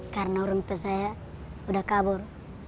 karena orang itu saya sudah kabur